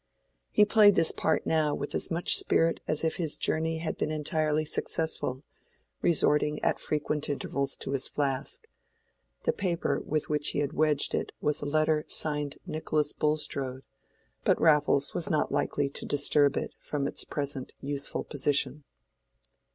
He played this part now with as much spirit as if his journey had been entirely successful, resorting at frequent intervals to his flask. The paper with which he had wedged it was a letter signed Nicholas Bulstrode, but Raffles was not likely to disturb it from its present useful position.